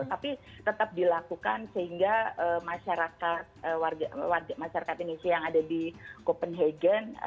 tapi tetap dilakukan sehingga masyarakat indonesia yang ada di copenhagen